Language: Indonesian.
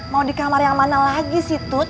mau di kamar yang mana lagi sih tut